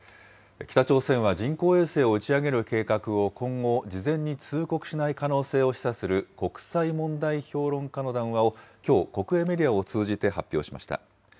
北朝鮮は人工衛星を打ち上げる計画を今後、事前に通告しない可能性を示唆する国際問題評論家の談話をきょう、国営メディアを通じて発表しました。